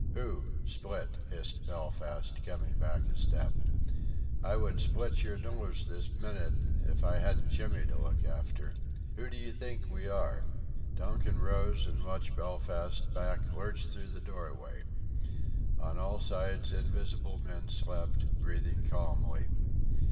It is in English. "Who split?" hissed Belfast, coming back a step. "I would split your nose this minyt if I hadn't Jimmy to look after! Who d'ye think we are?" Donkin rose and watched Belfast's back lurch through the doorway. On all sides invisible men slept, breathing calmly.